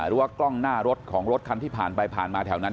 หรือว่ากล้องหน้ารถของรถคันที่ผ่านไปผ่านมาแถวนั้น